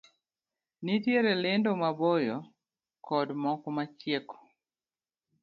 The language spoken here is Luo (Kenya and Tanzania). Nitiere lendo ma boyo kod moko ma chieko.